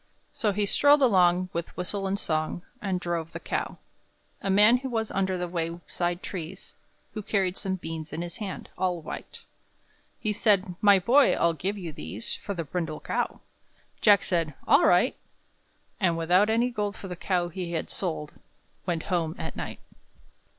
So he strolled along, with whistle and song, And drove the cow. A man was under the wayside trees, Who carried some beans in his hand all white. He said, "My boy, I'll give you these For the brindle cow." Jack said, "All right." And, without any gold for the cow he had sold, Went home at night.